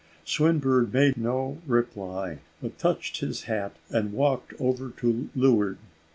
Swinburne made no reply, but touched his hat, and walked over to leeward.